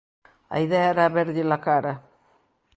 A idea era verlles a cara.